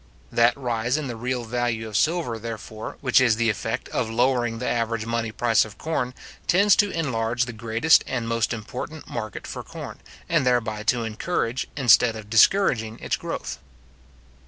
That rise in the real value of silver, therefore, which is the effect of lowering the average money price of corn, tends to enlarge the greatest and most important market for corn, and thereby to encourage, instead of discouraging its growth.